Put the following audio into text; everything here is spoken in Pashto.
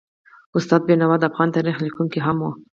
استاد بینوا د افغان تاریخ لیکونکی هم و.